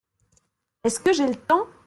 Est-ce que j’ai le temps !